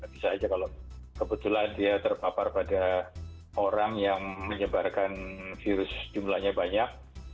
bisa aja kalau kebetulan dia terpapar pada orang yang menyebarkan virus jumlahnya banyak